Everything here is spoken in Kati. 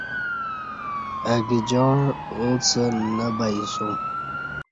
اہ گجاعں اہ څہ نہ بیی سوم